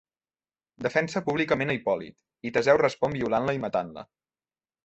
Defensa públicament a Hipòlit i Teseu respon violant-la i matant-la.